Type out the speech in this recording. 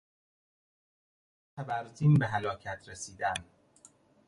با ضربهی تبرزین به هلاکت رسیدن